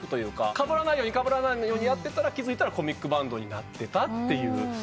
かぶらないようかぶらないようやってたら気付いたらコミックバンドになってたという形ですかね。